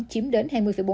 chiếm đến hai mươi bốn